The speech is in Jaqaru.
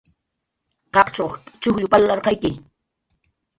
Qaqchuq chujll palarqayki